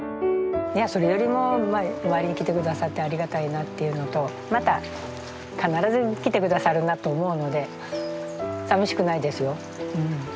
いやそれよりもお参りに来てくださってありがたいなというのとまた必ず来てくださるなと思うので寂しくないですようん。